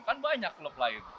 kan banyak klub lain